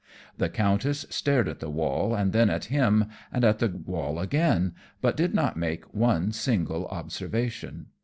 The Countess stared at the wall and then at him, and at the wall again, but did not make one single observation.